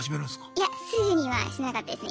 いやすぐにはしなかったですね。